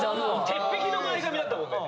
鉄壁の前髪だったもんね。